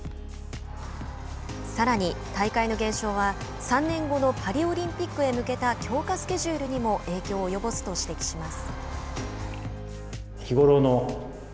さらに、大会の減少は３年後のパリオリンピックへ向けた強化スケジュールにも影響を及ぼすと指摘します。